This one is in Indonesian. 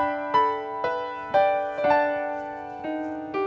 udh seminggu lebih aku lewat rumahnya sepi